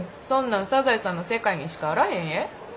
そんなん「サザエさん」の世界にしかあらへんえ。